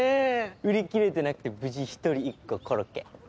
売り切れてなくて無事１人１個コロッケ。